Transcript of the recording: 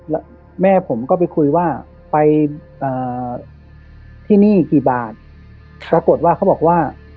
แล้วแม่ผมก็ไปคุยว่าไปที่นี่กี่บาทปรากฏว่าเขาบอกว่า